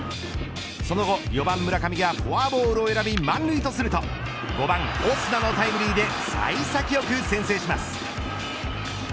その後、４番村上がフォアボールを選び満塁とすると５番オスナのタイムリーで幸先よく先制します。